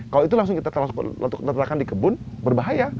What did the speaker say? kalau itu langsung kita letakkan di kebun berbahaya